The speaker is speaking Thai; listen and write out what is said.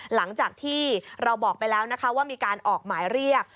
หลังจากที่เราบอกไปแล้วนะคะว่ามีการออกหมายเรียก